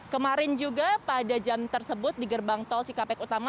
kemarin juga pada jam tersebut di gerbang tol cikampek utama